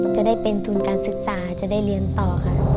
จะได้เป็นทุนการศึกษาจะได้เรียนต่อค่ะ